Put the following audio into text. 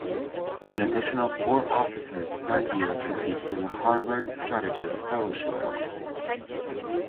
An additional four officers per year compete for the Harvard Strategist Fellowship Program.